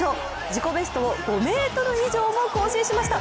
自己ベストを５ｍ以上も更新しました。